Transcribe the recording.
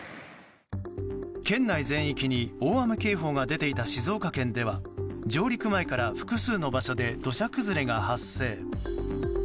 県内全域に大雨警報が出ていた静岡県では上陸前から複数の場所で土砂崩れが発生。